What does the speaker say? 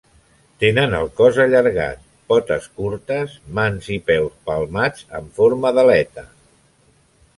Tenen el cos allargat, potes curtes, mans i peus palmats en forma d'aleta.